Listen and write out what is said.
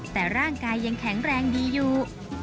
แต่ร่างกายยังแข็งแรงดีอยู่